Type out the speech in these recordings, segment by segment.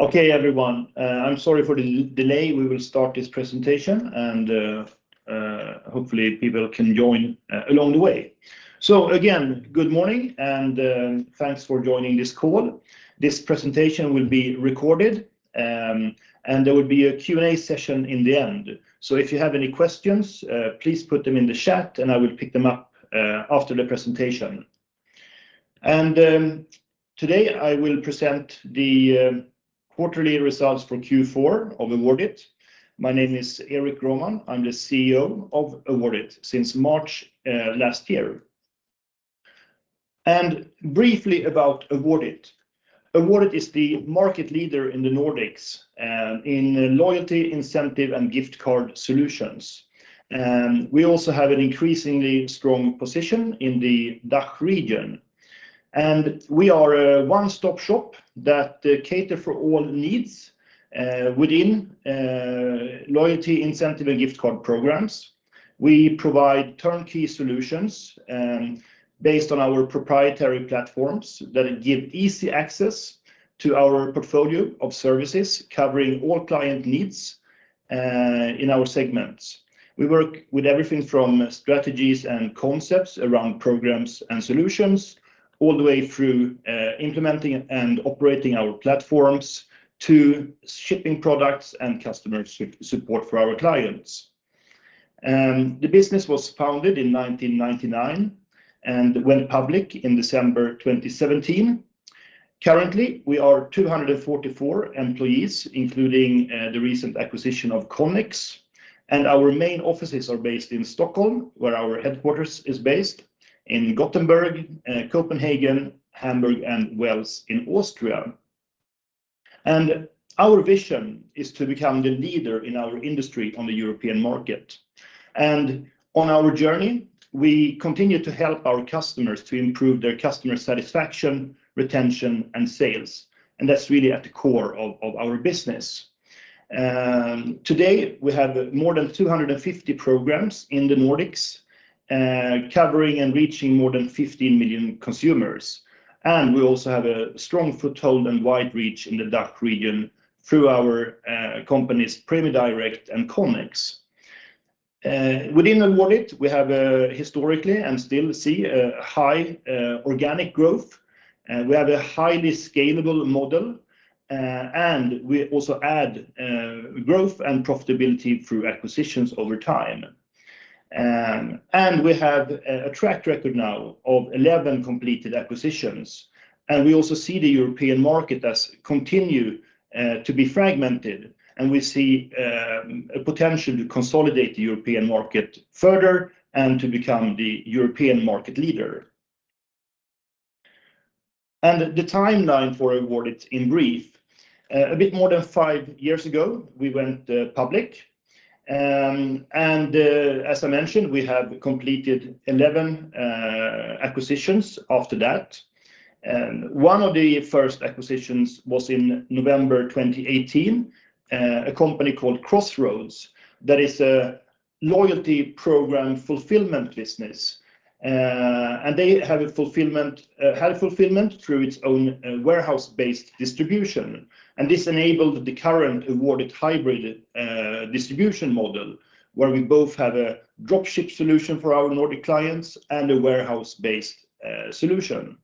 Okay, everyone. I'm sorry for the delay. We will start this presentation, hopefully people can join along the way. Again, good morning, thanks for joining this call. This presentation will be recorded, there will be a Q&A session in the end. If you have any questions, please put them in the chat, I will pick them up after the presentation. Today, I will present the quarterly results for Q4 of Awardit. My name is Erik Grohman. I'm the CEO of Awardit since March last year. Briefly about Awardit. Awardit is the market leader in the Nordics in loyalty, incentive, and gift card solutions. We also have an increasingly strong position in the DACH region, we are a one-stop shop that cater for all needs within loyalty, incentive, and gift card programs. We provide turnkey solutions based on our proprietary platforms that give easy access to our portfolio of services, covering all client needs in our segments. We work with everything from strategies and concepts around programs and solutions all the way through implementing and operating our platforms to shipping products and customer support for our clients. The business was founded in 1999 and went public in December 2017. Currently, we are 244 employees, including the recent acquisition of Connex, our main offices are based in Stockholm, where our headquarters is based, in Gothenburg, Copenhagen, Hamburg, and Wels in Austria. Our vision is to become the leader in our industry on the European market. On our journey, we continue to help our customers to improve their customer satisfaction, retention, and sales, and that's really at the core of our business. Today, we have more than 250 programs in the Nordics, covering and reaching more than 15 million consumers. We also have a strong foothold and wide reach in the DACH region through our companies Prämie Direkt and Connex. Within Awardit, we have historically and still see a high organic growth. We have a highly scalable model, and we also add growth and profitability through acquisitions over time. We have a track record now of 11 completed acquisitions, and we also see the European market as continue to be fragmented, and we see a potential to consolidate the European market further and to become the European market leader. The timeline for Awardit in brief. A bit more than five years ago, we went public, as I mentioned, we have completed 11 acquisitions after that. One of the first acquisitions was in November 2018, a company called Crossroads that is a loyalty program fulfillment business, and they had a fulfillment through its own warehouse-based distribution. This enabled the current Awardit hybrid distribution model, where we both have a drop ship solution for our Nordic clients and a warehouse-based solution.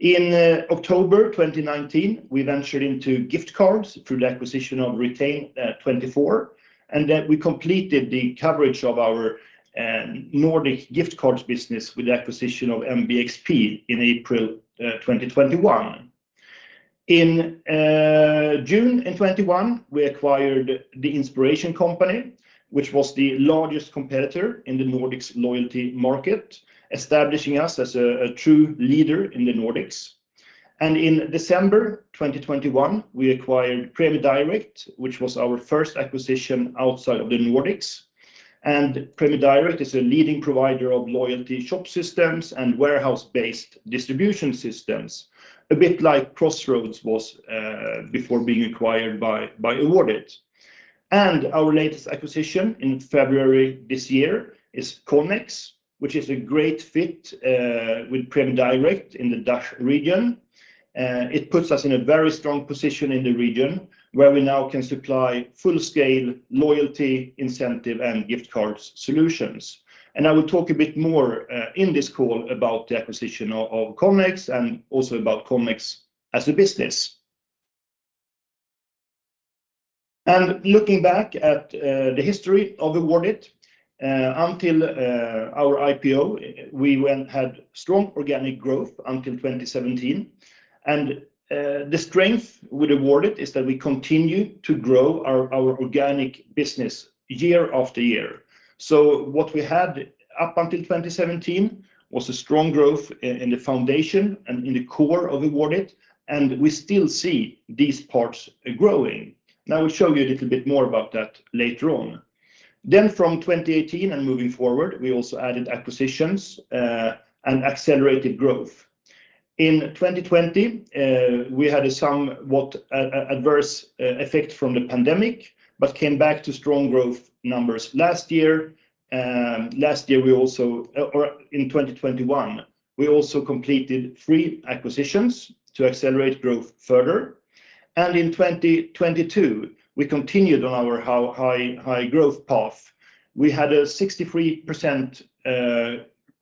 In October 2019, we ventured into gift cards through the acquisition of Retain24, and then we completed the coverage of our Nordic gift cards business with the acquisition of MBXP in April 2021. In June 2021, we acquired The Inspiration Company, which was the largest competitor in the Nordics loyalty market, establishing us as a true leader in the Nordics. In December 2021, we acquired Prämie Direkt, which was our first acquisition outside of the Nordics. Prämie Direkt is a leading provider of loyalty shop systems and warehouse-based distribution systems, a bit like Crossroads was before being acquired by Awardit. Our latest acquisition in February this year is Connex, which is a great fit with Prämie Direkt in the DACH region. It puts us in a very strong position in the region where we now can supply full-scale loyalty, incentive, and gift cards solutions. I will talk a bit more in this call about the acquisition of Connex and also about Connex as a business. Looking back at the history of Awardit, until our IPO, we had strong organic growth until 2017. The strength with Awardit is that we continue to grow our organic business year after year. What we had up until 2017 was a strong growth in the foundation and in the core of Awardit, and we still see these parts growing. I will show you a little bit more about that later on. From 2018 and moving forward, we also added acquisitions and accelerated growth. In 2020, we had a somewhat adverse effect from the pandemic but came back to strong growth numbers last year. In 2021, we also completed 3 acquisitions to accelerate growth further. In 2022, we continued on our high growth path. We had a 63%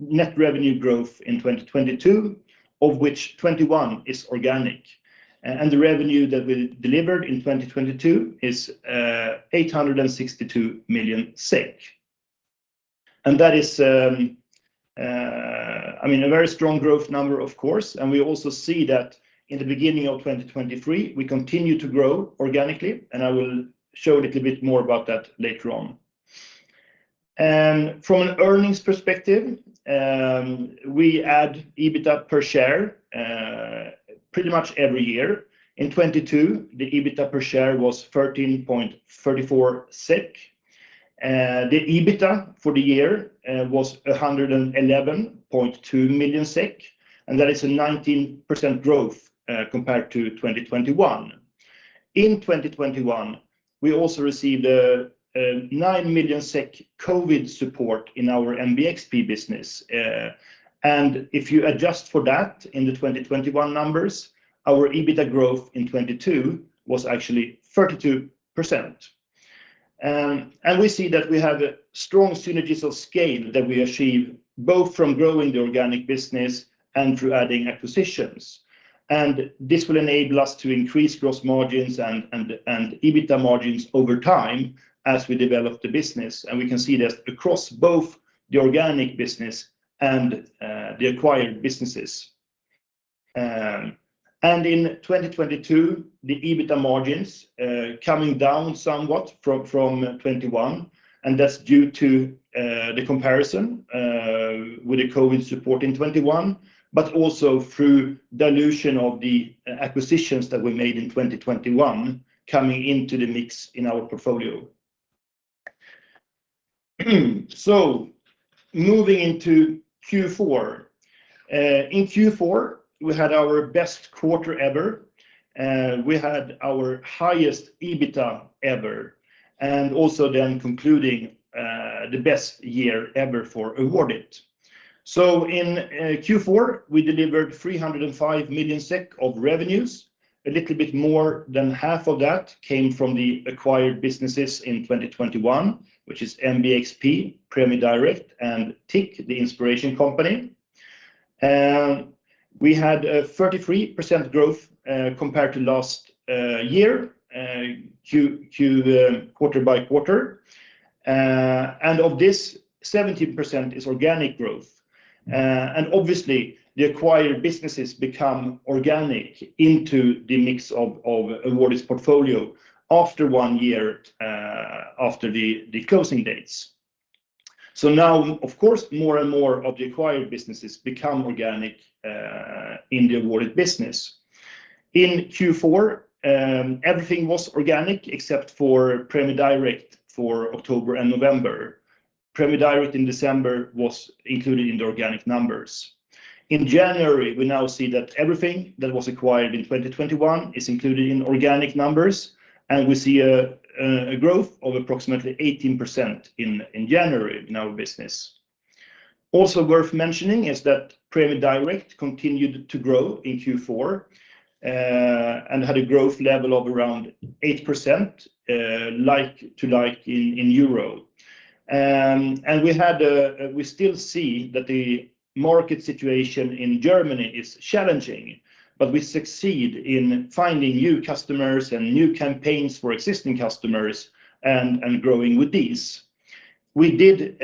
net revenue growth in 2022 of which 21% is organic. The revenue that we delivered in 2022 is 862 million. That is I mean a very strong growth number of course. We also see that in the beginning of 2023, we continue to grow organically, and I will show a little bit more about that later on. From an earnings perspective, we add EBITDA per share pretty much every year. In 2022, the EBITDA per share was 13.34 SEK. The EBITDA for the year was 111.2 million SEK, and that is a 19% growth compared to 2021. In 2021, we also received 9 million SEK COVID support in our MBXP business. If you adjust for that in the 2021 numbers, our EBITDA growth in 2022 was actually 32%. We see that we have strong synergies of scale that we achieve both from growing the organic business and through adding acquisitions. This will enable us to increase gross margins and EBITDA margins over time as we develop the business. We can see that across both the organic business and the acquired businesses. In 2022, the EBITDA margins coming down somewhat from 2021, and that's due to the comparison with the COVID support in 2021, but also through dilution of the acquisitions that we made in 2021 coming into the mix in our portfolio. Moving into Q4. In Q4, we had our best quarter ever. We had our highest EBITDA ever and also then concluding the best year ever for Awardit. In Q4, we delivered 305 million SEK of revenues. A little bit more than 1/2 of that came from the acquired businesses in 2021, which is MBXP, Prämie Direkt, and TIC, The Inspiration Company. We had a 33% growth compared to last year, quarter-by-quarter. Of this, 17% is organic growth. Obviously, the acquired businesses become organic into the mix of Awardit's portfolio after 1 year, after the closing dates. Of course, more and more of the acquired businesses become organic in the Awardit business. In Q4, everything was organic except for Prämie Direkt for October and November. Prämie Direkt in December was included in the organic numbers. In January, we now see that everything that was acquired in 2021 is included in organic numbers, and we see a growth of approximately 18% in January in our business. Also worth mentioning is that Prämie Direkt continued to grow in Q4 and had a growth level of around 8% like in euro. We still see that the market situation in Germany is challenging, but we succeed in finding new customers and new campaigns for existing customers and growing with these. We did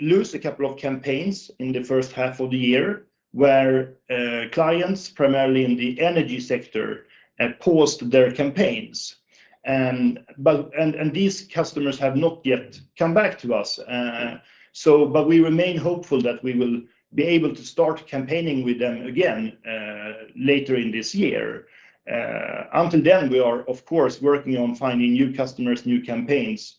lose a couple of campaigns in the first half of the year where clients, primarily in the energy sector, paused their campaigns. These customers have not yet come back to us. We remain hopeful that we will be able to start campaigning with them again later in this year. Until then, we are of course working on finding new customers, new campaigns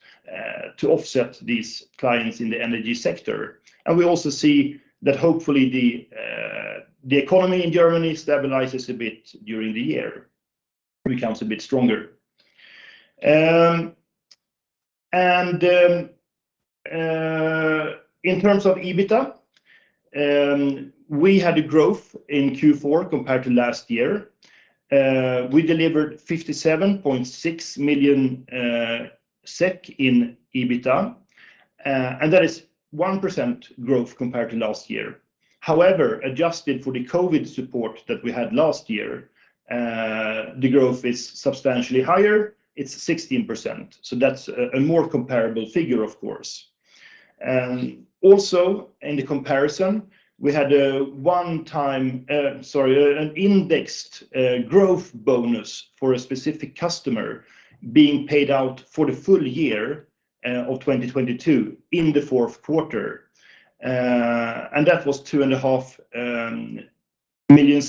to offset these clients in the energy sector. We also see that hopefully the economy in Germany stabilizes a bit during the year, becomes a bit stronger. In terms of EBITDA, we had a growth in Q4 compared to last year. We delivered 57.6 million SEK in EBITDA, and that is 1% growth compared to last year. However, adjusted for the COVID support that we had last year, the growth is substantially higher. It's 16%. That's a more comparable figure of course. Also in the comparison, we had a one-time, an indexed growth bonus for a specific customer being paid out for the full year of 2022 in the fourth quarter. That was 2.5 million.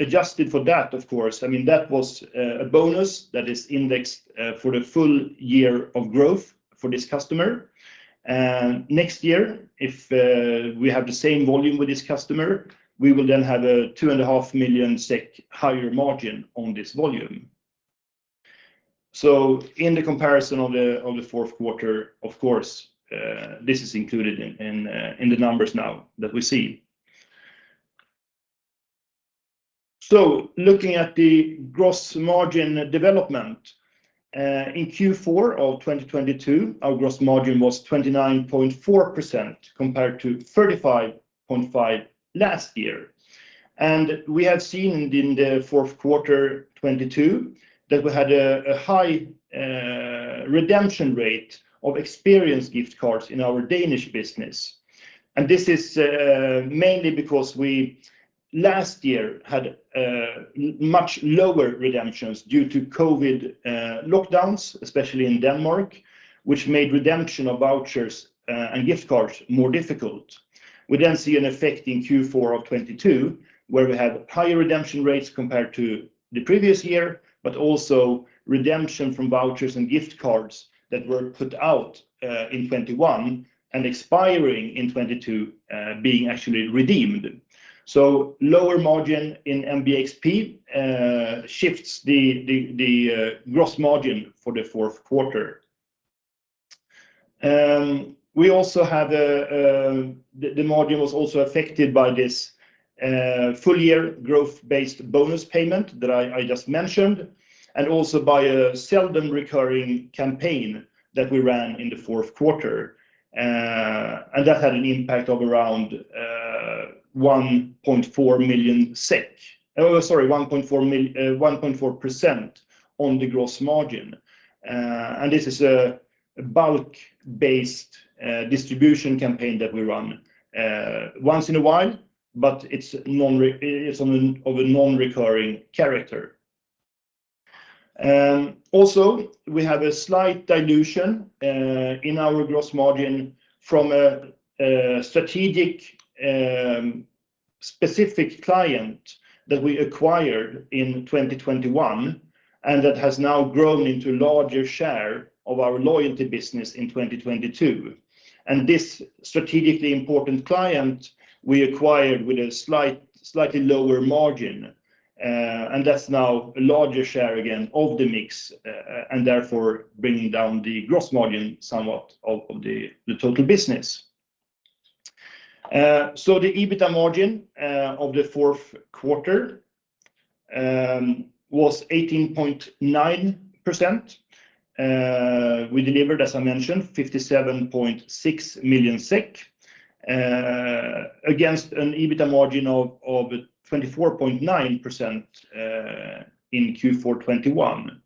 Adjusted for that, of course, that was a bonus that is indexed for the full year of growth for this customer. Next year if we have the same volume with this customer, we will then have a 2.5 million SEK higher margin on this volume. In the comparison on the fourth quarter, of course, this is included in the numbers now that we see. Looking at the gross margin development, in Q4 of 2022, our gross margin was 29.4% compared to 35.5% last year. We have seen in the fourth quarter 2022 that we had a high redemption rate of experienced gift cards in our Danish business. This is mainly because we last year had much lower redemptions due to COVID lockdowns, especially in Denmark, which made redemption of vouchers and gift cards more difficult. We see an effect in Q4 of 2022, where we have higher redemption rates compared to the previous year, but also redemption from vouchers and gift cards that were put out in 2021 and expiring in 2022, being actually redeemed. Lower margin in MBXP shifts the gross margin for the fourth quarter. The margin was also affected by this full-year growth-based bonus payment that I just mentioned and also by a seldom recurring campaign that we ran in the fourth quarter. That had an impact of around 1.4 million SEK. Oh, sorry, 1.4% on the gross margin. This is a bulk-based distribution campaign that we run once in a while, but it is of a non-recurring character. Also, we have a slight dilution in our gross margin from a strategic specific client that we acquired in 2021 and that has now grown into larger share of our loyalty business in 2022. This strategically important client we acquired with a slightly lower margin, that's now a larger share again of the mix and therefore bringing down the gross margin somewhat of the total business. The EBITA margin of the fourth quarter was 18.9%. We delivered, as I mentioned, 57.6 million SEK against an EBITA margin of 24.9% in Q4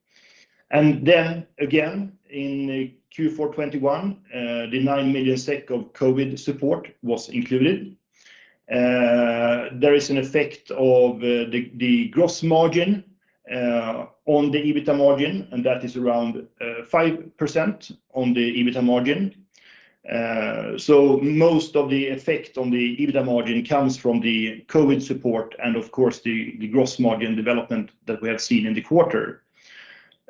2021. Again, in Q4 2021, the 9 million SEK of COVID support was included. There is an effect of the gross margin on the EBITA margin, and that is around 5% on the EBITA margin. Most of the effect on the EBITA margin comes from the COVID support and of course the gross margin development that we have seen in the quarter.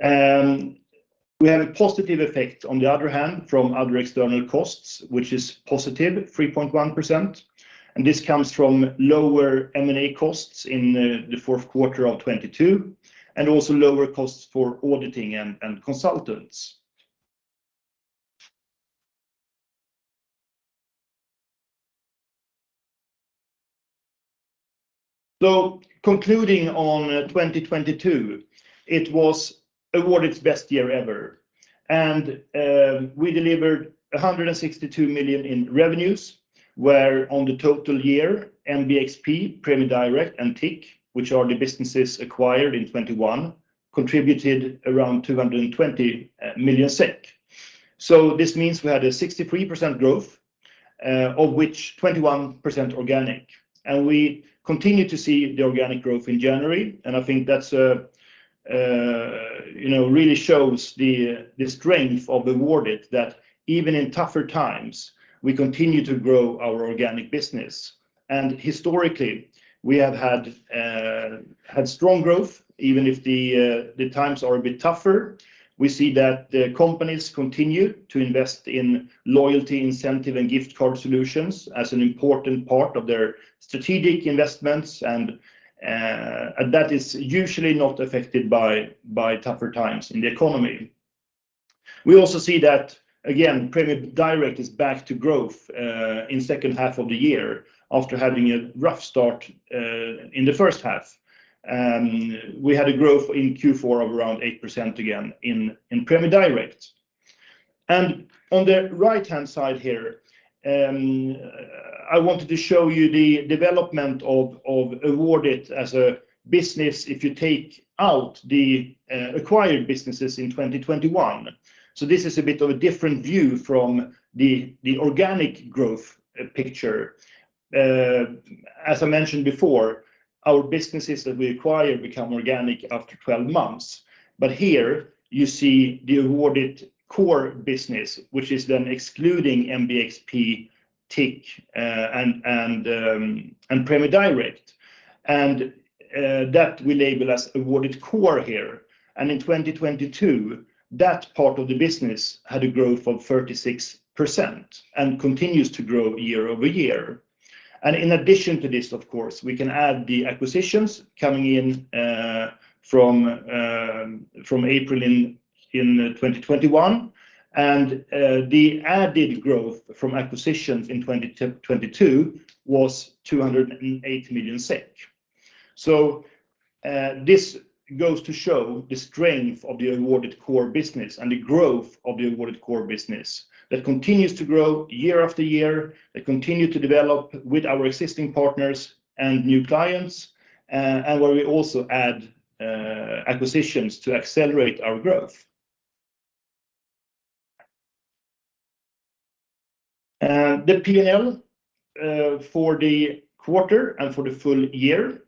We have a positive effect on the other hand from other external costs, which is positive 3.1%, and this comes from lower M&A costs in the fourth quarter of 2022 and also lower costs for auditing and consultants. Concluding on 2022, it was Awardit's best year ever. We delivered 162 million in revenues, where on the total year, MBXP, Prämie Direkt, and TIC, which are the businesses acquired in 2021, contributed around 220 million SEK. This means we had a 63% growth, of which 21% organic. We continue to see the organic growth in January, and I think that's, you know, really shows the strength of Awardit that even in tougher times, we continue to grow our organic business. Historically, we have had strong growth, even if the times are a bit tougher. We see that the companies continue to invest in loyalty incentive and gift card solutions as an important part of their strategic investments, and that is usually not affected by tougher times in the economy. We also see that again, Prämie Direkt is back to growth in second half of the year after having a rough start in the first half. We had a growth in Q4 of around 8% again in Prämie Direkt. On the right-hand side here, I wanted to show you the development of Awardit as a business if you take out the acquired businesses in 2021. This is a bit of a different view from the organic growth picture. As I mentioned before, our businesses that we acquire become organic after 12 months. Here you see the Awardit core business, which is then excluding MBXP, TIC, and Prämie Direkt. That we label as Awardit core here. In 2022, that part of the business had a growth of 36% and continues to grow year-over-year. In addition to this, of course, we can add the acquisitions coming in from April in 2021, and the added growth from acquisitions in 2022 was 208 million SEK. This goes to show the strength of the Awardit core business and the growth of the Awardit core business that continues to grow year after year, that continue to develop with our existing partners and new clients, and where we also add acquisitions to accelerate our growth. The P&L for the quarter and for the full year.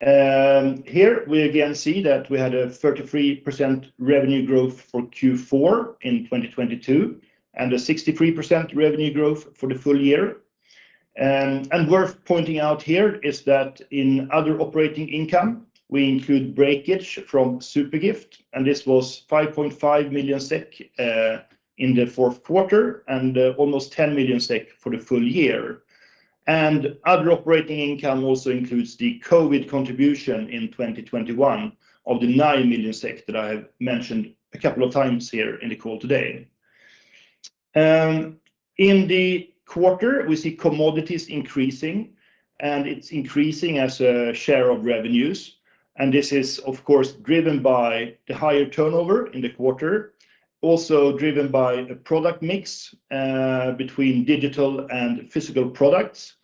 Here we again see that we had a 33% revenue growth for Q4 in 2022, and a 63% revenue growth for the full year. Worth pointing out here is that in other operating income, we include breakage from Zupergift, and this was 5.5 million SEK in the fourth quarter, and almost 10 million SEK for the full year. Other operating income also includes the COVID contribution in 2021 of the 9 million SEK that I have mentioned a couple of times here in the call today. In the quarter, we see commodities increasing, and it's increasing as a share of revenues, and this is of course driven by the higher turnover in the quarter. Driven by the product mix between digital and physical products.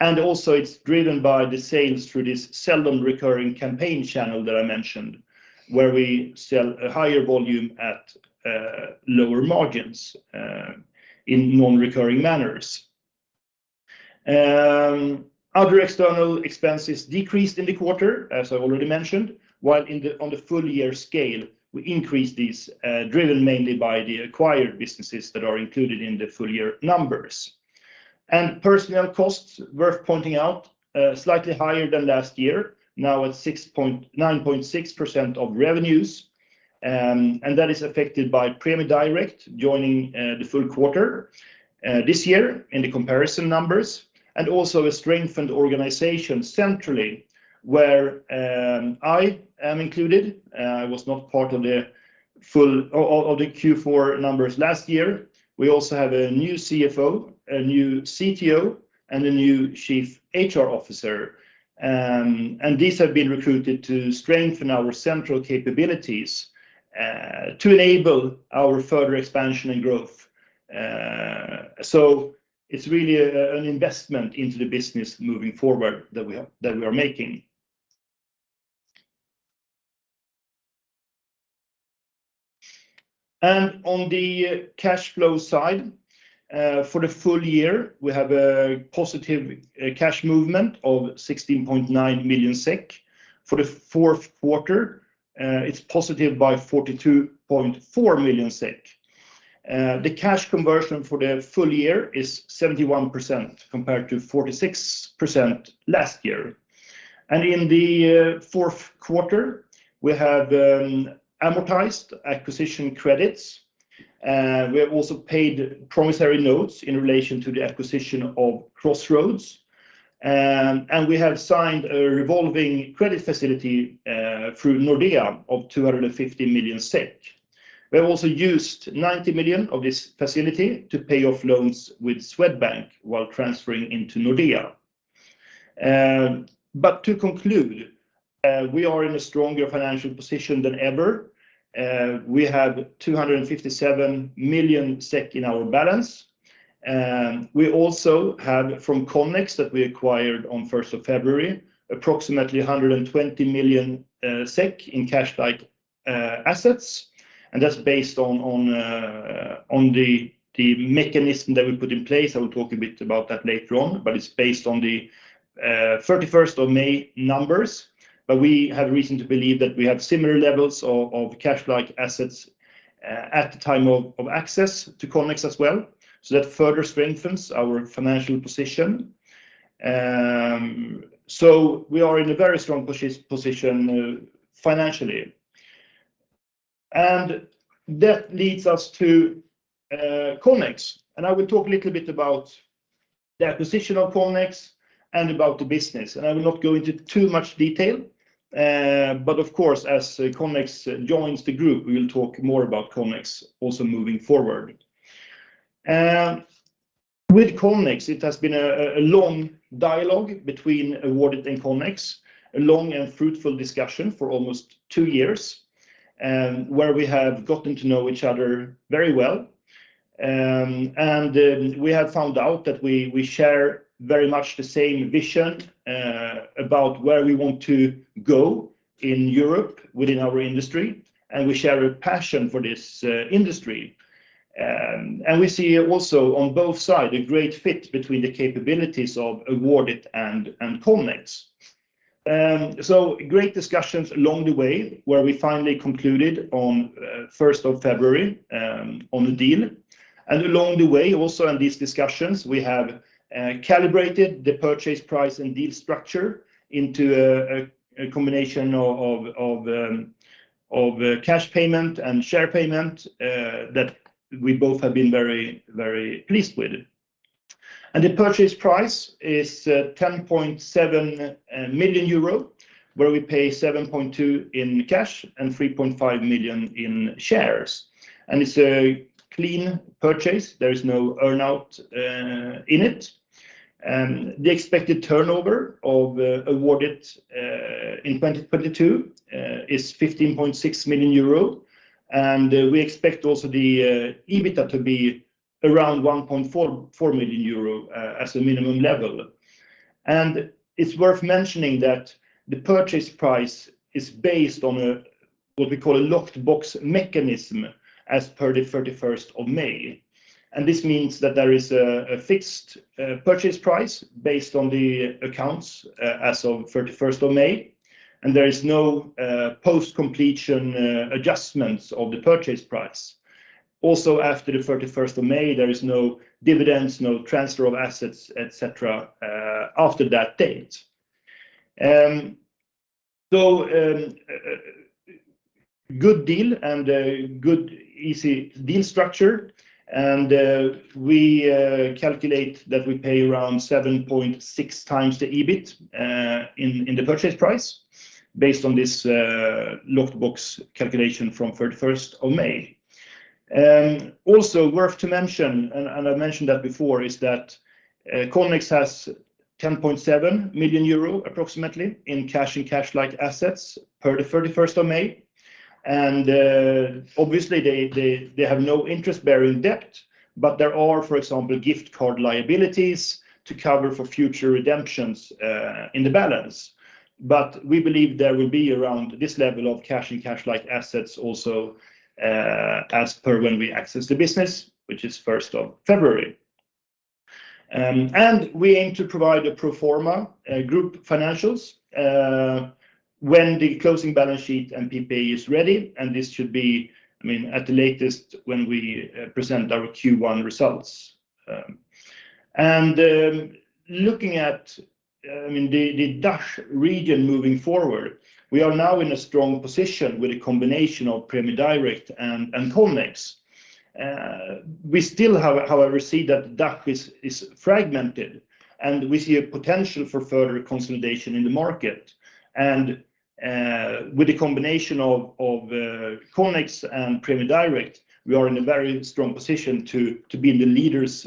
It's driven by the sales through this seldom recurring campaign channel that I mentioned, where we sell a higher volume at lower margins in non-recurring manners. Other external expenses decreased in the quarter, as I already mentioned, while on the full year scale, we increased these, driven mainly by the acquired businesses that are included in the full year numbers. Personnel costs worth pointing out, slightly higher than last year, now at 9.6% of revenues. That is affected by Prämie Direkt joining the full quarter this year in the comparison numbers, and also a strengthened organization centrally where I am included. I was not part of the Q4 numbers last year. We also have a new CFO, a new CTO, and a new Chief HR Officer. These have been recruited to strengthen our central capabilities, to enable our further expansion and growth. It's really a, an investment into the business moving forward that we are, that we are making. On the cash flow side, for the full year, we have a positive, cash movement of 16.9 million SEK. For the fourth quarter, it's positive by 42.4 million SEK. The cash conversion for the full year is 71% compared to 46% last year. In the fourth quarter, we have amortized acquisition credits. We have also paid promissory notes in relation to the acquisition of Crossroads. We have signed a revolving credit facility through Nordea of 250 million SEK. We have also used 90 million of this facility to pay off loans with Swedbank while transferring into Nordea. To conclude, we are in a stronger financial position than ever. We have 257 million SEK in our balance. We also have from Connex, that we acquired on first of February, approximately 120 million SEK in cash-like assets. That's based on the mechanism that we put in place. I will talk a bit about that later on. It's based on the 31st of May numbers. We have reason to believe that we have similar levels of cash-like assets at the time of access to Connex as well, that further strengthens our financial position. We are in a very strong position financially. That leads us to Connex. I will talk a little bit about the acquisition of Connex and about the business. I will not go into too much detail. Of course, as Connex joins the group, we will talk more about Connex also moving forward. With Connex, it has been a long dialogue between Awardit and Connex, a long and fruitful discussion for almost two years, where we have gotten to know each other very well. We have found out that we share very much the same vision about where we want to go in Europe within our industry, and we share a passion for this industry. We see also on both sides a great fit between the capabilities of Awardit and Connex. Great discussions along the way, where we finally concluded on First of February on the deal. Along the way, also in these discussions, we have calibrated the purchase price and deal structure into a combination of cash payment and share payment that we both have been very, very pleased with. The purchase price is 10.7 million euro, where we pay 7.2 million in cash and 3.5 million in shares. It's a clean purchase. There is no earn-out in it. The expected turnover of Awardit in 2022 is 15.6 million euro. We expect also the EBITDA to be around 1.44 million euro as a minimum level. It's worth mentioning that the purchase price is based on a what we call a locked box mechanism as per the 31st of May. This means that there is a fixed purchase price based on the accounts as of 31st of May, and there is no post-completion adjustments of the purchase price. Also, after the 31st of May, there is no dividends, no transfer of assets, et cetera, after that date. A good deal and a good easy deal structure. We calculate that we pay around 7.6x the EBIT in the purchase price based on this locked box calculation from 31st of May. Also worth to mention, and I mentioned that before, is that Connex has 10.7 million euro approximately in cash and cash-like assets per the 31st of May. Obviously they have no interest-bearing debt, but there are, for example, gift card liabilities to cover for future redemptions in the balance. We believe there will be around this level of cash and cash-like assets also as per when we access the business, which is 1st of February. We aim to provide a pro forma group financials when the closing balance sheet and PPA is ready, and this should be, I mean, at the latest when we present our Q1 results. Looking at the DACH region moving forward, we are now in a strong position with a combination of Prämie Direkt and Connex. We still however see that DACH is fragmented, and we see a potential for further consolidation in the market. With the combination of Connex and Prämie Direkt, we are in a very strong position to be in the leader's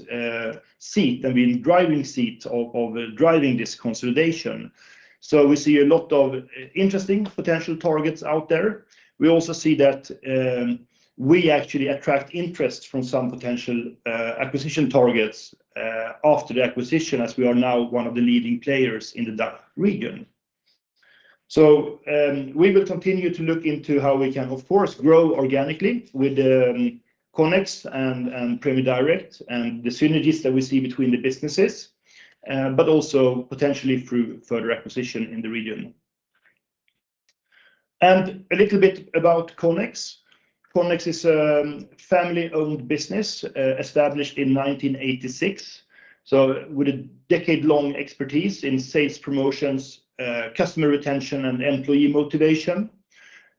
seat and be in driving seat of driving this consolidation. We see a lot of interesting potential targets out there. We also see that we actually attract interest from some potential acquisition targets after the acquisition, as we are now one of the leading players in the DACH region. We will continue to look into how we can of course grow organically with Connex and Prämie Direkt and the synergies that we see between the businesses, but also potentially through further acquisition in the region. A little bit about Connex. Connex is a family-owned business, established in 1986, so with a decade-long expertise in sales promotions, customer retention and employee motivation.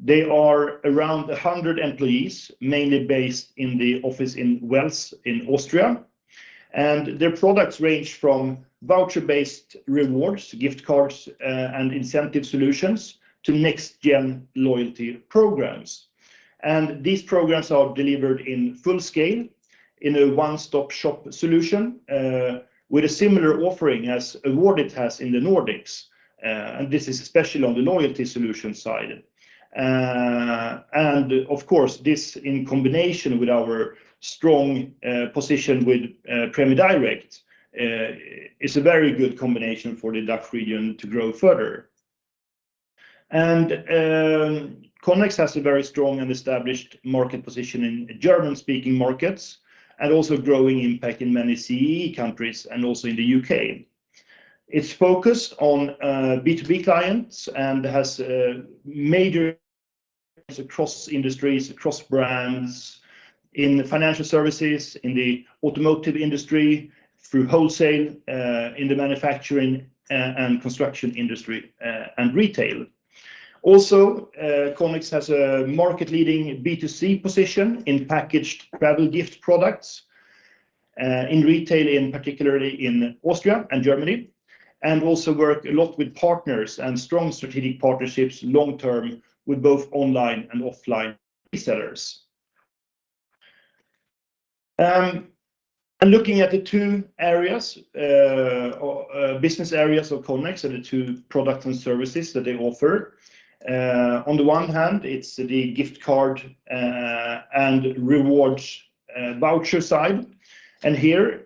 They are around 100 employees, mainly based in the office in Wels in Austria. Their products range from voucher-based rewards, gift cards, and incentive solutions to next-gen loyalty programs. These programs are delivered in full scale in a one-stop shop solution, with a similar offering as Awardit has in the Nordics. This is especially on the loyalty solution side. Of course, this in combination with our strong position with Prämie Direkt, is a very good combination for the DACH region to grow further. Connex has a very strong and established market position in German-speaking markets and also growing impact in many CEE countries and also in the U.K.. It's focused on B2B clients and has major clients across industries, across brands, in financial services, in the automotive industry, through wholesale, in the manufacturing and construction industry, and retail. Connex has a market-leading B2C position in packaged travel gift products in retail, in particularly in Austria and Germany, and also work a lot with partners and strong strategic partnerships long term with both online and offline resellers. Looking at the two areas or business areas of Connex or the two products and services that they offer, on the one hand, it's the gift card and reward voucher side. Here,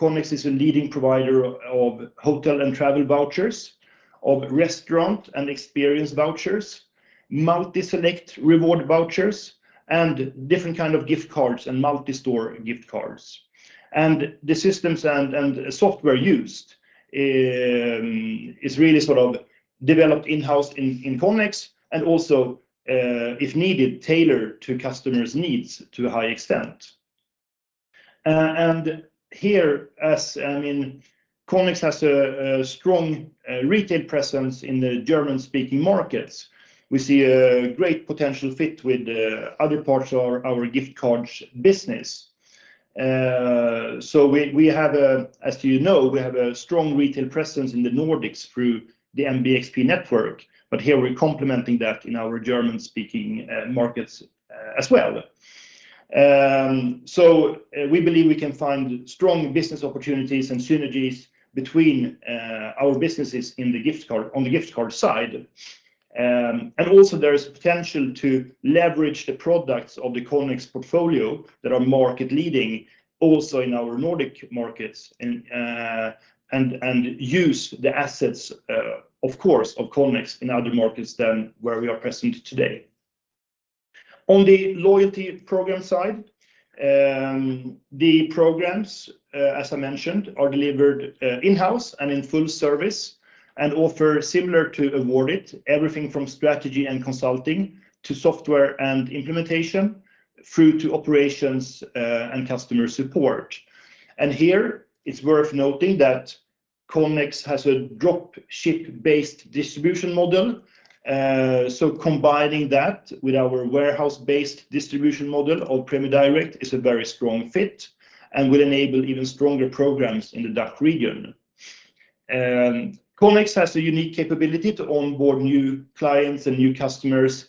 Connex is a leading provider of hotel and travel vouchers, of restaurant and experience vouchers, multi-select reward vouchers and different kind of gift cards and multi-store gift cards. The systems and software used is really sort of developed in-house in Connex and also, if needed, tailored to customers' needs to a high extent. Here, as I mean, Connex has a strong retail presence in the German-speaking markets. We see a great potential fit with the other parts of our gift cards business. We have a, as you know, we have a strong retail presence in the Nordics through the MBXP network. Here, we're complementing that in our German-speaking markets as well. We believe we can find strong business opportunities and synergies between our businesses on the gift card side. Also there's potential to leverage the products of the Connex portfolio that are market leading also in our Nordic markets and use the assets, of course, of Connex in other markets than where we are present today. On the loyalty program side, the programs, as I mentioned, are delivered in-house and in full service and offer similar to Awardit, everything from strategy and consulting to software and implementation through to operations, and customer support. Here, it's worth noting that Connex has a drop ship-based distribution model. Combining that with our warehouse-based distribution model of Prämie Direkt is a very strong fit and will enable even stronger programs in the DACH region. Connex has a unique capability to onboard new clients and new customers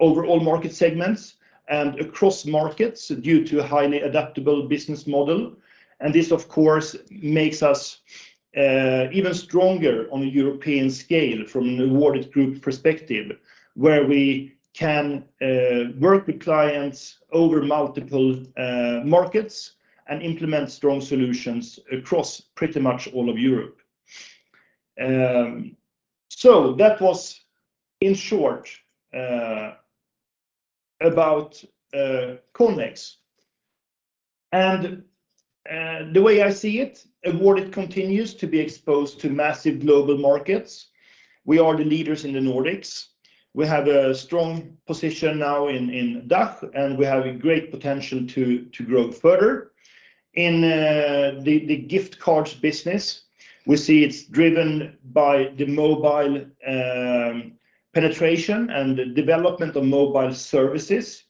over all market segments and across markets due to a highly adaptable business model. This, of course, makes us even stronger on a European scale from an Awardit group perspective, where we can work with clients over multiple markets and implement strong solutions across pretty much all of Europe. That was in short about Connex. The way I see it, Awardit continues to be exposed to massive global markets. We are the leaders in the Nordics. We have a strong position now in DACH, and we have a great potential to grow further. In the gift cards business, we see it's driven by the mobile penetration and the development of mobile services,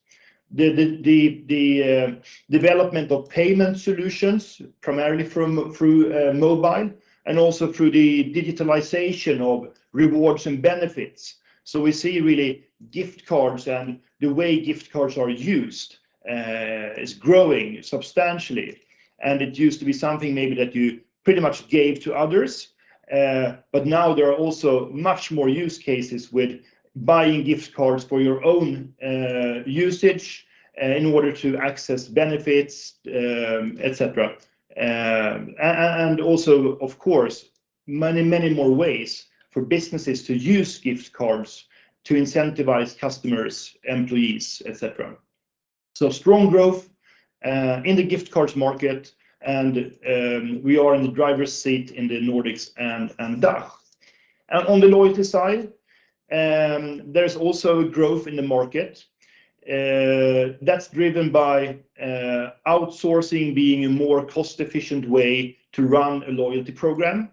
the development of payment solutions, primarily through mobile, and also through the digitalization of rewards and benefits. We see really gift cards and the way gift cards are used is growing substantially. It used to be something maybe that you pretty much gave to others. Now there are also much more use cases with buying gift cards for your own usage in order to access benefits, et cetera. Also, of course, many more ways for businesses to use gift cards to incentivize customers, employees, et cetera. Strong growth in the gift cards market and we are in the driver's seat in the Nordics and DACH. On the loyalty side, there's also growth in the market. That's driven by outsourcing being a more cost-efficient way to run a loyalty program.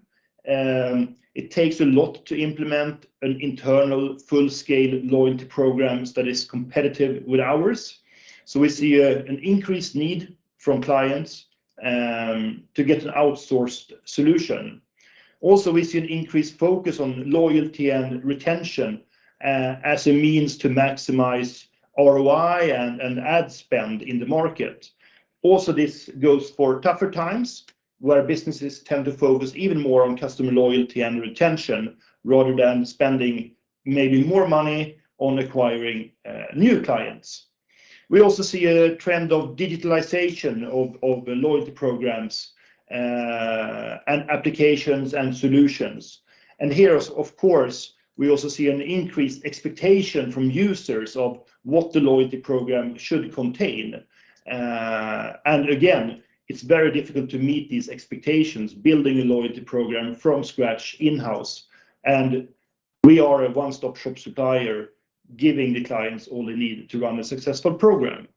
It takes a lot to implement an internal full-scale loyalty programs that is competitive with ours. We see an increased need from clients to get an outsourced solution. We see an increased focus on loyalty and retention as a means to maximize ROI and ad spend in the market. This goes for tougher times, where businesses tend to focus even more on customer loyalty and retention rather than spending maybe more money on acquiring new clients. We also see a trend of digitalization of loyalty programs, and applications and solutions. Here, of course, we also see an increased expectation from users of what the loyalty program should contain. Again, it's very difficult to meet these expectations building a loyalty program from scratch in-house. We are a one-stop-shop supplier, giving the clients all they need to run a successful program.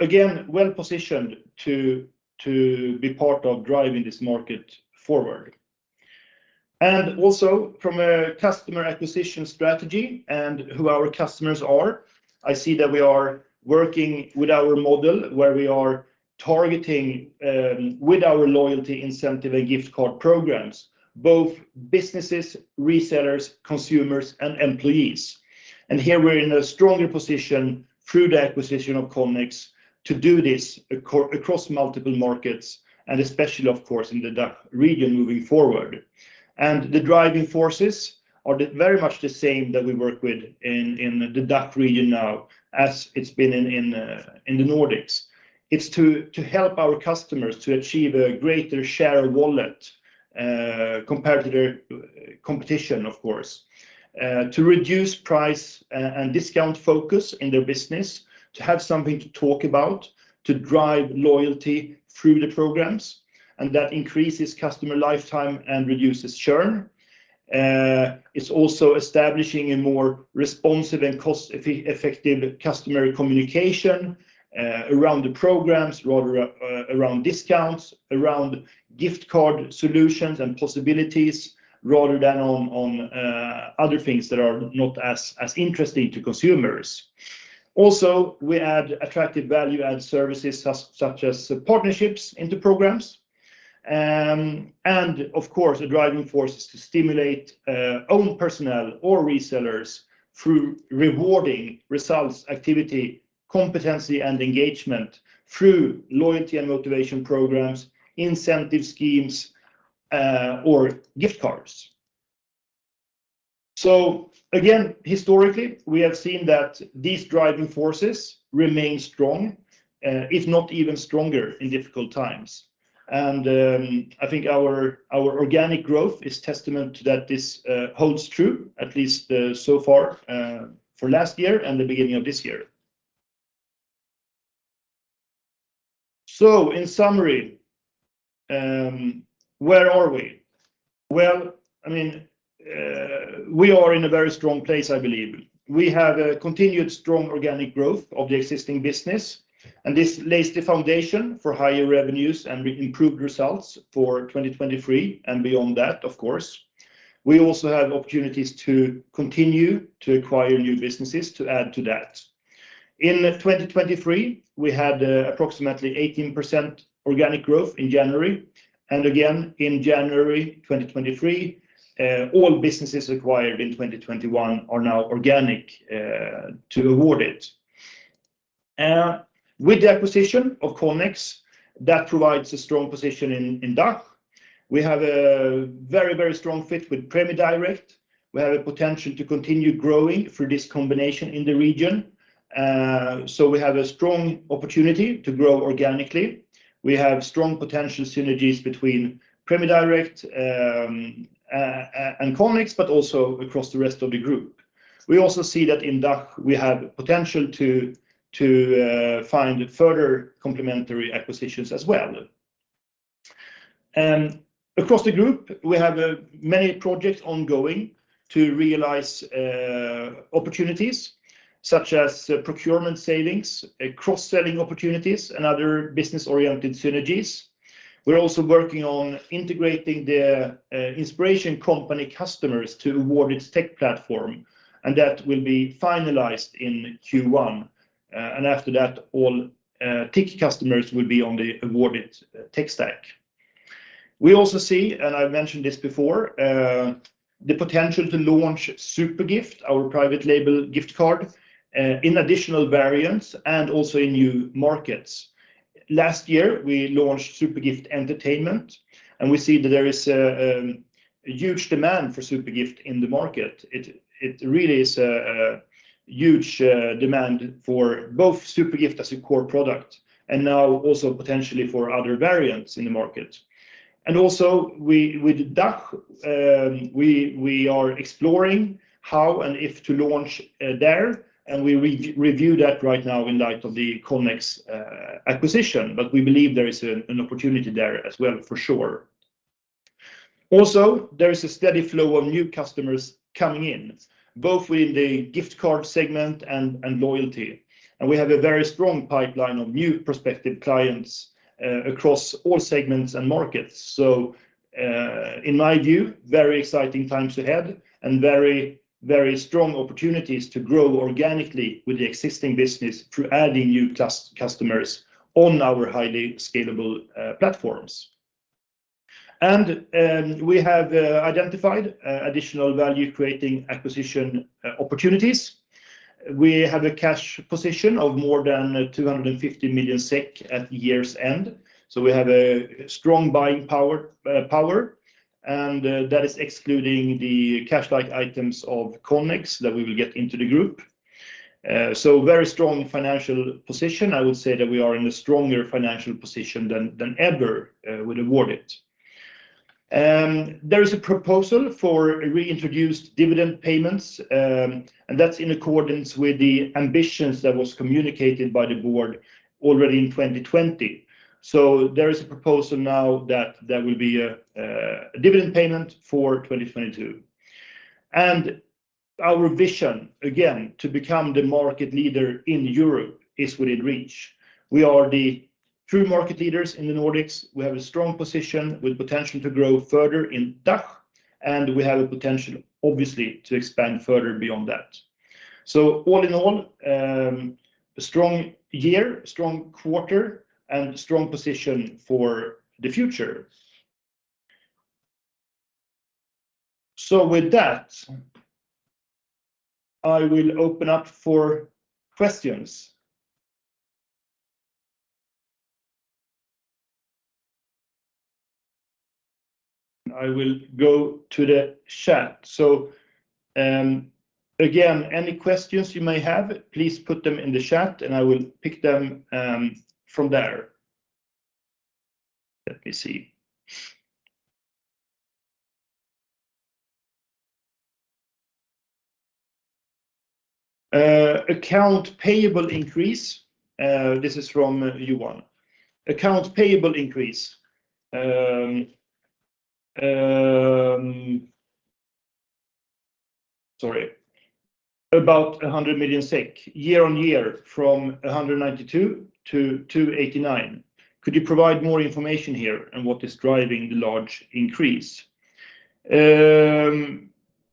Again, well-positioned to be part of driving this market forward. Also from a customer acquisition strategy and who our customers are, I see that we are working with our model where we are targeting with our loyalty incentive and gift card programs, both businesses, resellers, consumers, and employees. Here we're in a stronger position through the acquisition of Connex to do this across multiple markets, and especially, of course, in the DACH region moving forward. The driving forces are very much the same that we work with in the DACH region now as it's been in the Nordics. It's to help our customers to achieve a greater share of wallet compared to their competition of course. To reduce price and discount focus in their business, to have something to talk about, to drive loyalty through the programs, and that increases customer lifetime and reduces churn. It's also establishing a more responsive and cost effective customer communication around the programs, rather around discounts, around gift card solutions and possibilities, rather than other things that are not as interesting to consumers. Also, we add attractive value-add services, such as partnerships into programs. Of course, the driving force is to stimulate own personnel or resellers through rewarding results, activity, competency, and engagement through loyalty and motivation programs, incentive schemes or gift cards. Again, historically, we have seen that these driving forces remain strong, if not even stronger in difficult times. I think our organic growth is testament to that this holds true, at least so far for last year and the beginning of this year. In summary, where are we? Well, I mean, we are in a very strong place, I believe. We have a continued strong organic growth of the existing business. This lays the foundation for higher revenues and improved results for 2023 and beyond that, of course. We also have opportunities to continue to acquire new businesses to add to that. In 2023, we had approximately 18% organic growth in January. Again, in January 2023, all businesses acquired in 2021 are now organic to Awardit. With the acquisition of Connex, that provides a strong position in DACH. We have a very strong fit with Prämie Direkt. We have a potential to continue growing through this combination in the region. We have a strong opportunity to grow organically. We have strong potential synergies between Prämie Direkt and Connex, but also across the rest of the group. We also see that in DACH, we have potential to find further complementary acquisitions as well. Across the group, we have many projects ongoing to realize opportunities such as procurement savings, cross-selling opportunities, and other business-oriented synergies. We're also working on integrating The Inspiration Company customers to Awardit's tech platform, and that will be finalized in Q1. After that, all TIC customers will be on the Awardit tech stack. We also see, and I mentioned this before, the potential to launch Zupergift, our private label gift card, in additional variants and also in new markets. Last year, we launched Zupergift Entertainment, and we see that there is a huge demand for Zupergift in the market. It really is a huge demand for both Zupergift as a core product and now also potentially for other variants in the market. Also with DACH, we are exploring how and if to launch there, and we re-review that right now in light of the Connex acquisition. We believe there is an opportunity there as well for sure. There is a steady flow of new customers coming in, both within the gift card segment and loyalty. We have a very strong pipeline of new prospective clients across all segments and markets. In my view, very exciting times ahead and very strong opportunities to grow organically with the existing business through adding new customers on our highly scalable platforms. We have identified additional value-creating acquisition opportunities. We have a cash position of more than 250 million SEK at year's end, we have a strong buying power, and that is excluding the cash-like items of Connex that we will get into the group. Very strong financial position. I would say that we are in a stronger financial position than ever with Awardit. There is a proposal for reintroduced dividend payments, that's in accordance with the ambitions that was communicated by the board already in 2020. There is a proposal now that there will be a dividend payment for 2022. Our vision, again, to become the market leader in Europe is within reach. We are the true market leaders in the Nordics. We have a strong position with potential to grow further in DACH, and we have a potential, obviously to expand further beyond that. All in all, a strong year, strong quarter, and strong position for the future. With that, I will open up for questions. I will go to the chat. Again, any questions you may have, please put them in the chat, and I will pick them from there. Let me see. Account payable increase. This is from Johan. Account payable increase. Sorry. About 100 million SEK year-over-year from 192-289. Could you provide more information here on what is driving the large increase?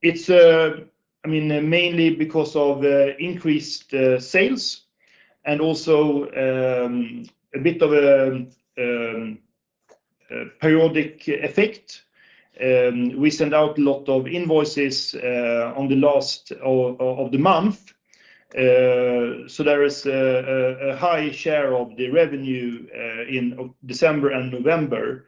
It's, I mean, mainly because of increased sales and also a bit of a periodic effect. We send out a lot of invoices on the last of the month. There is a high share of the revenue in November and December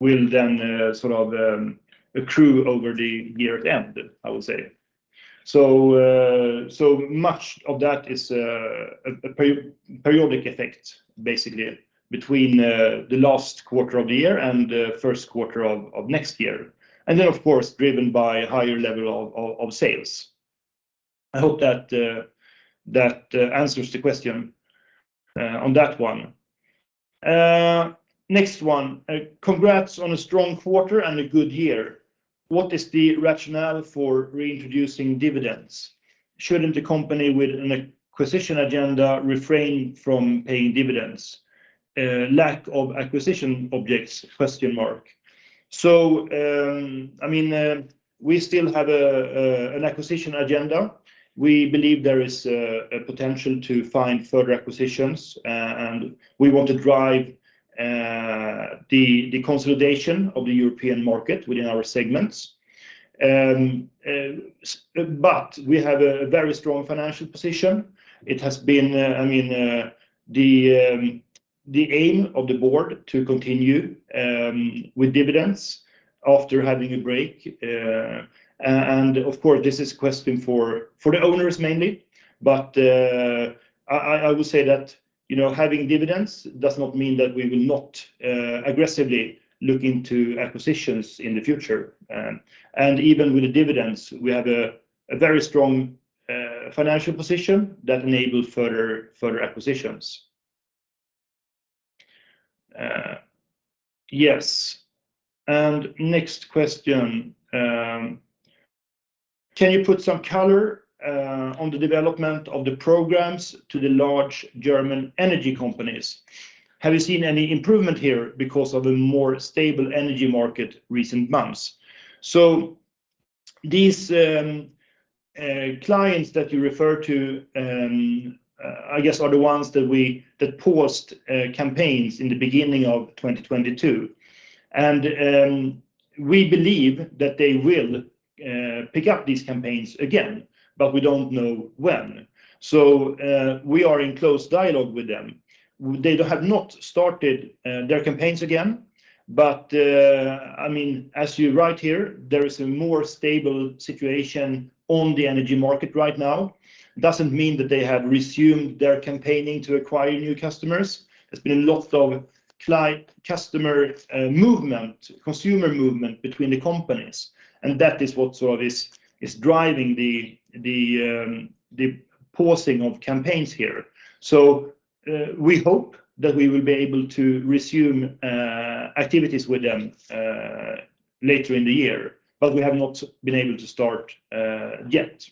will then sort of accrue over the year end, I would say. Much of that is a periodic effect basically between the last quarter of the year and the first quarter of next year, and then of course driven by higher level of sales. I hope that answers the question on that one. Next one. Congrats on a strong quarter and a good year. What is the rationale for reintroducing dividends? Shouldn't a company with an acquisition agenda refrain from paying dividends? Lack of acquisition objects? I mean, we still have an acquisition agenda. We believe there is a potential to find further acquisitions, and we want to drive the consolidation of the European market within our segments. We have a very strong financial position. It has been, I mean, the aim of the board to continue with dividends after having a break. Of course this is question for the owners mainly, but I would say that, you know, having dividends does not mean that we will not aggressively look into acquisitions in the future. Even with the dividends, we have a very strong financial position that enable further acquisitions. Yes. Next question. Can you put some color on the development of the programs to the large German energy companies? Have you seen any improvement here because of a more stable energy market recent months? These clients that you refer to, I guess are the ones that we, that paused campaigns in the beginning of 2022. We believe that they will pick up these campaigns again, but we don't know when. We are in close dialogue with them. They have not started their campaigns again. I mean, as you're right here, there is a more stable situation on the energy market right now. Doesn't mean that they have resumed their campaigning to acquire new customers. There's been a lot of client customer movement, consumer movement between the companies, and that is what sort of is driving the pausing of campaigns here. We hope that we will be able to resume activities with them later in the year, but we have not been able to start yet.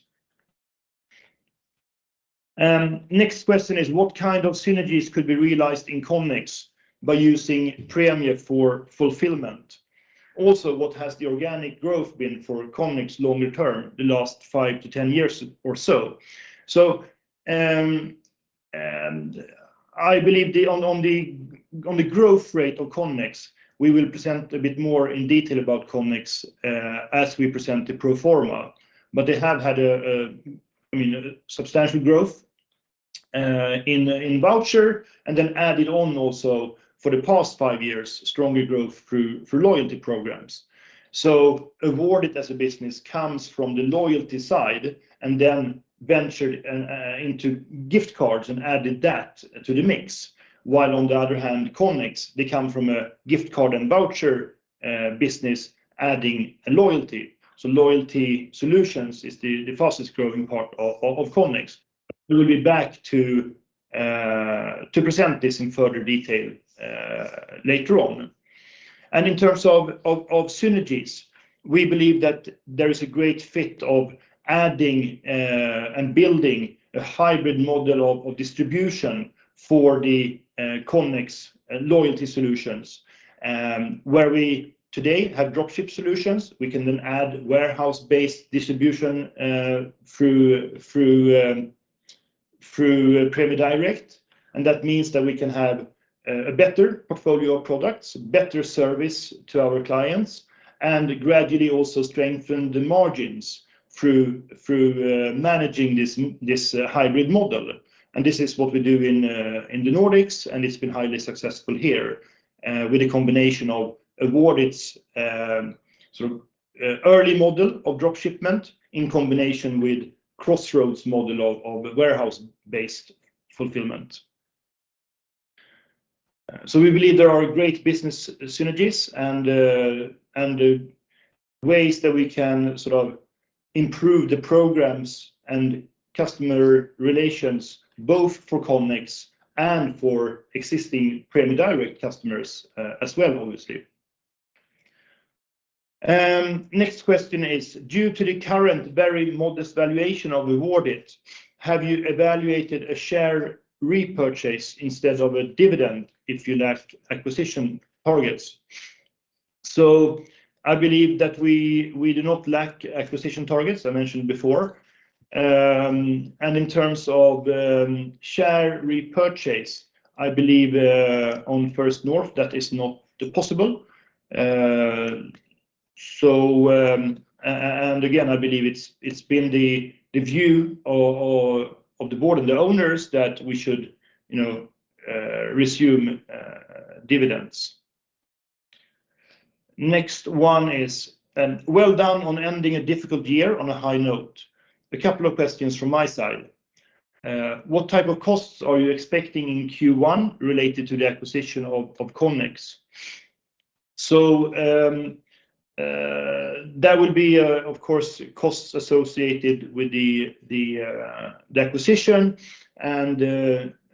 What kind of synergies could be realized in Connex by using Prämie Direkt for fulfillment? What has the organic growth been for Connex longer term, the last 5 to 10 years or so? I believe the on the growth rate of Connex, we will present a bit more in detail about Connex as we present the pro forma. They have had, I mean, a substantial growth in voucher and then added on also for the past five years, stronger growth through, for loyalty programs. Awardit as a business comes from the loyalty side and then ventured into gift cards and added that to the mix. On the other hand, Connex, they come from a gift card and voucher business adding a loyalty. Loyalty solutions is the fastest growing part of Connex. We will be back to present this in further detail later on. In terms of synergies, we believe that there is a great fit of adding and building a hybrid model of distribution for the Connex loyalty solutions. Where we today have drop ship solutions, we can then add warehouse-based distribution through Prämie Direkt. That means that we can have a better portfolio of products, better service to our clients, and gradually also strengthen the margins through managing this hybrid model. This is what we do in the Nordics, and it's been highly successful here with a combination of Awardit's Sort of early model of drop shipment in combination with Crossroads model of warehouse-based fulfillment. We believe there are great business synergies and ways that we can sort of improve the programs and customer relations, both for Connex and for existing Prämie Direkt customers as well, obviously. Next question is, due to the current very modest valuation of Awardit, have you evaluated a share repurchase instead of a dividend if you lacked acquisition targets? I believe that we do not lack acquisition targets, I mentioned before. And in terms of share repurchase, I believe on First North, that is not possible. And again, I believe it's been the view of the board and the owners that we should, you know, resume dividends. Next one is, well done on ending a difficult year on a high note. A couple of questions from my side. What type of costs are you expecting in Q1 related to the acquisition of Connex? That will be, of course, costs associated with the acquisition.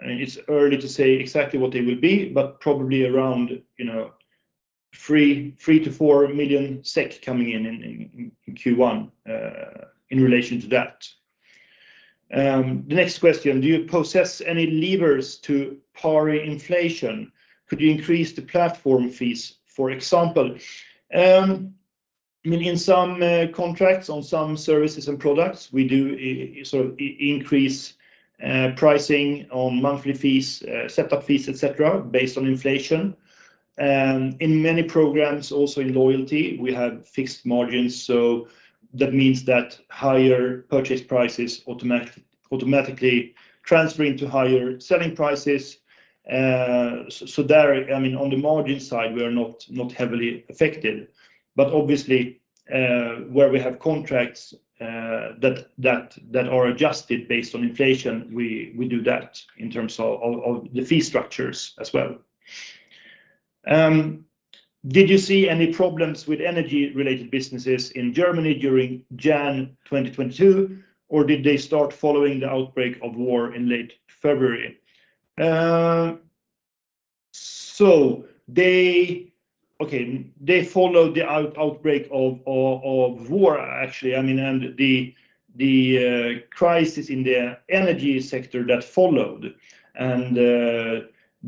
It's early to say exactly what they will be, but probably around 3 million-4 million SEK coming in Q1 in relation to that. The next question, do you possess any levers to par inflation? Could you increase the platform fees, for example? In some contracts on some services and products, we do so increase pricing on monthly fees, setup fees, et cetera, based on inflation. In many programs, also in loyalty, we have fixed margins, so that means that higher purchase prices automatically transferring to higher selling prices. So there, on the margin side, we are not heavily affected. Obviously, where we have contracts that are adjusted based on inflation, we do that in terms of the fee structures as well. Did you see any problems with energy-related businesses in Germany during January 2022, or did they start following the outbreak of war in late February? They followed the outbreak of war, actually. I mean, the crisis in the energy sector that followed.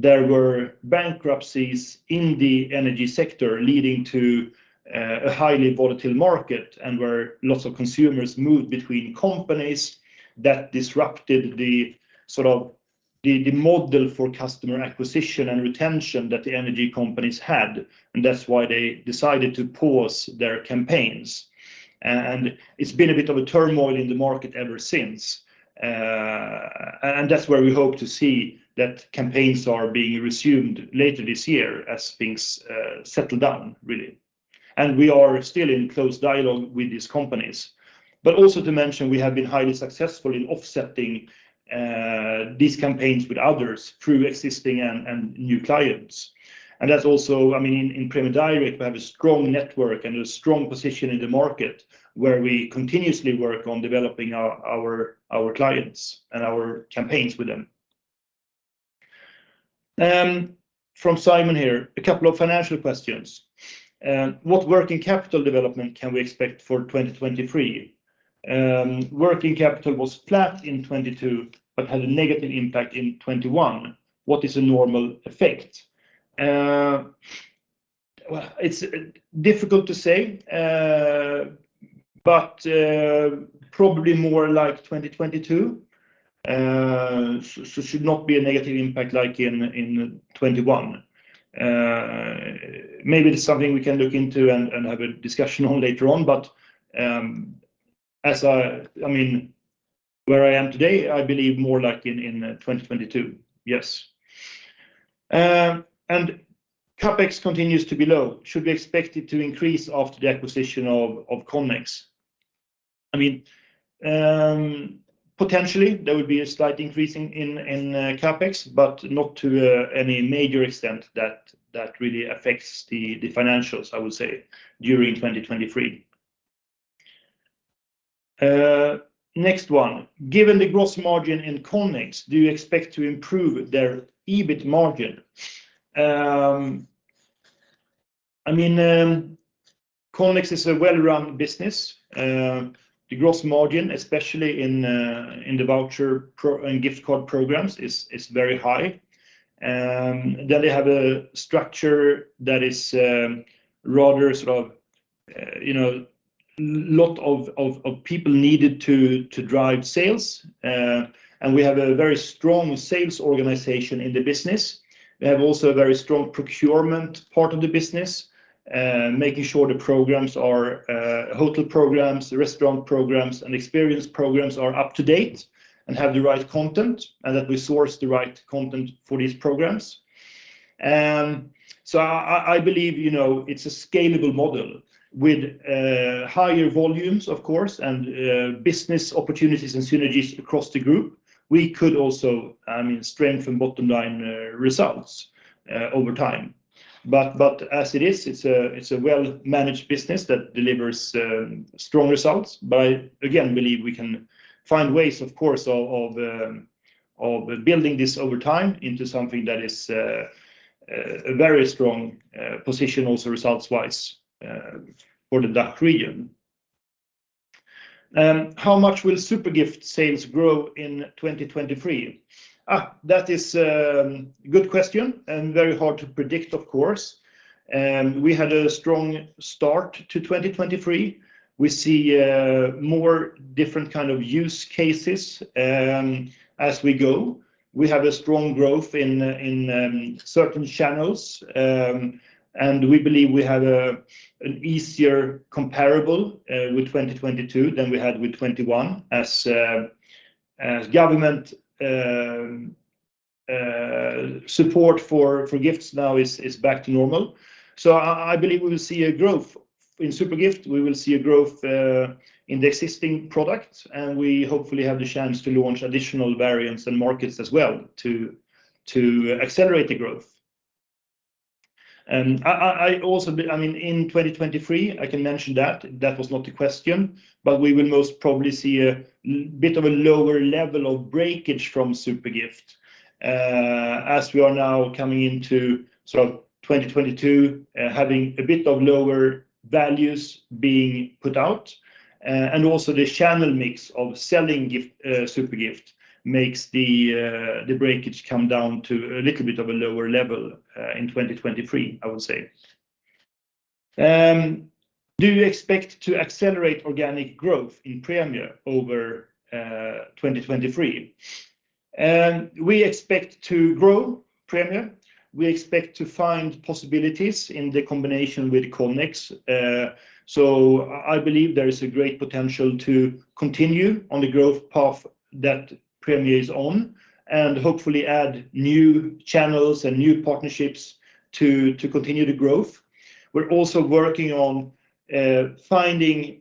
There were bankruptcies in the energy sector, leading to a highly volatile market and where lots of consumers moved between companies that disrupted the, sort of, the model for customer acquisition and retention that the energy companies had. That's why they decided to pause their campaigns. It's been a bit of a turmoil in the market ever since. That's where we hope to see that campaigns are being resumed later this year as things settle down, really. We are still in close dialogue with these companies. Also to mention, we have been highly successful in offsetting these campaigns with others through existing and new clients. That's also, I mean, in Prämie Direkt, we have a strong network and a strong position in the market where we continuously work on developing our clients and our campaigns with them. From Simon here, a couple of financial questions. What working capital development can we expect for 2023? Working capital was flat in 2022 but had a negative impact in 2021. What is a normal effect? Well, it's difficult to say, but probably more like 2022. should not be a negative impact like in 2021. Maybe it's something we can look into and have a discussion on later on. I mean, where I am today, I believe more like in 2022. Yes. CapEx continues to be low. Should we expect it to increase after the acquisition of Connex? I mean, potentially, there would be a slight increase in CapEx, but not to any major extent that really affects the financials, I would say, during 2023. Next one. Given the gross margin in Connex, do you expect to improve their EBIT margin? I mean, Connex is a well-run business. The gross margin, especially in the voucher and gift card programs, is very high. They have a structure that is rather sort of, you know, lot of people needed to drive sales. We have a very strong sales organization in the business. We have also a very strong procurement part of the business, making sure the programs are hotel programs, restaurant programs, and experience programs are up to date and have the right content, and that we source the right content for these programs. I believe, you know, it's a scalable model with higher volumes, of course, and business opportunities and synergies across the group. We could also, I mean, strengthen bottom line results over time. As it is, it's a well-managed business that delivers strong results. I again believe we can find ways, of course, of building this over time into something that is a very strong position also results-wise for the DACH region. How much will Zupergift sales grow in 2023? That is a good question, and very hard to predict of course. We had a strong start to 2023. We see more different kind of use cases as we go. We have a strong growth in certain channels, and we believe we have an easier comparable with 2022 than we had with 2021 as government support for gifts now is back to normal. I believe we will see a growth in Zupergift. We will see a growth in the existing product, and we hopefully have the chance to launch additional variants and markets as well to accelerate the growth. I mean, in 2023, I can mention that was not the question, but we will most probably see a bit of a lower level of breakage from Zupergift as we are now coming into sort of 2022, having a bit of lower values being put out. Also the channel mix of selling gift, Zupergift makes the breakage come down to a little bit of a lower level in 2023, I would say. Do you expect to accelerate organic growth in Prämie Direkt over 2023? We expect to grow Prämie Direkt. We expect to find possibilities in the combination with Connex. I believe there is a great potential to continue on the growth path that Prämie Direkt is on and hopefully add new channels and new partnerships to continue the growth. We're also working on finding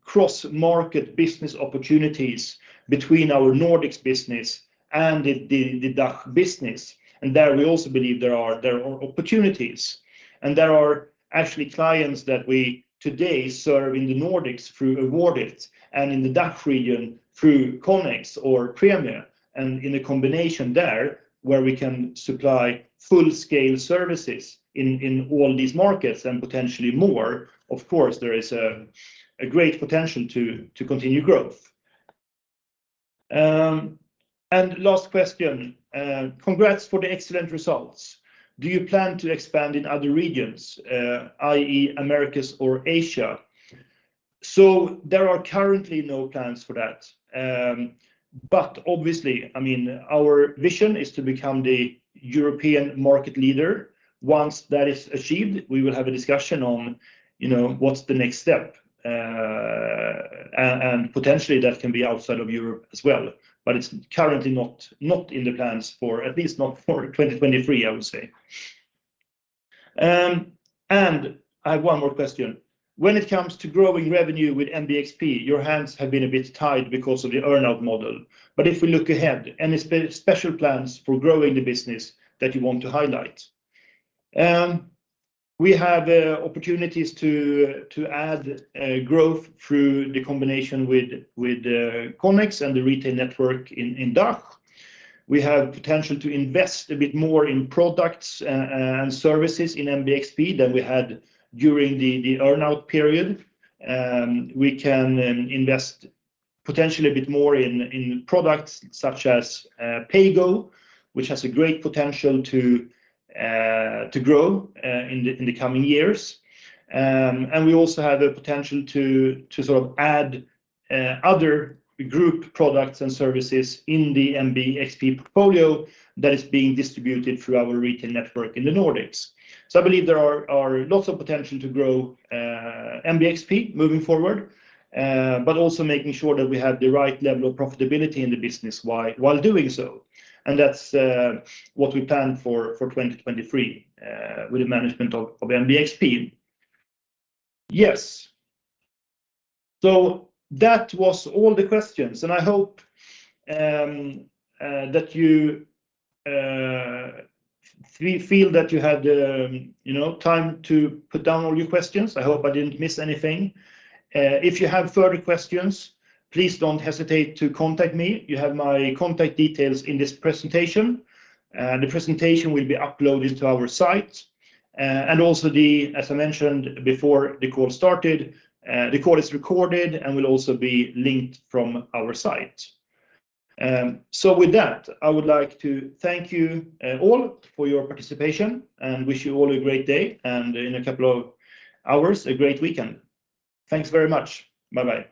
cross-market business opportunities between our Nordics business and the DACH business. There we also believe there are opportunities, and there are actually clients that we today serve in the Nordics through Awardit and in the DACH region through Connex or Prämie Direkt. In a combination there where we can supply full-scale services in all these markets and potentially more, of course, there is a great potential to continue growth. Last question. Congrats for the excellent results. Do you plan to expand in other regions, i.e., Americas or Asia? There are currently no plans for that. Obviously, I mean, our vision is to become the European market leader. Once that is achieved, we will have a discussion on, you know, what's the next step. And potentially that can be outside of Europe as well, but it's currently not in the plans for at least not for 2023, I would say. I have one more question. When it comes to growing revenue with MBXP, your hands have been a bit tied because of the earn-out model. If we look ahead, any special plans for growing the business that you want to highlight? We have opportunities to add growth through the combination with Connex and the retail network in DACH. We have potential to invest a bit more in products and services in MBXP than we had during the earn-out period. We can invest potentially a bit more in products such as Paygoo, which has a great potential to grow in the coming years. We also have the potential to sort of add other group products and services in the MBXP portfolio that is being distributed through our retail network in the Nordics. I believe there are lots of potential to grow MBXP moving forward, but also making sure that we have the right level of profitability in the business while doing so. That's what we plan for 2023 with the management of MBXP. Yes. That was all the questions, and I hope that you feel that you had, you know, time to put down all your questions. I hope I didn't miss anything. If you have further questions, please don't hesitate to contact me. You have my contact details in this presentation. The presentation will be uploaded to our site, and also the, as I mentioned before the call started, the call is recorded and will also be linked from our site. With that, I would like to thank you all for your participation and wish you all a great day and in a couple of hours, a great weekend. Thanks very much. Bye-bye.